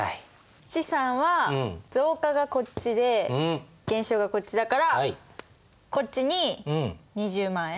資産は増加がこっちで減少がこっちだからこっちに２０万円。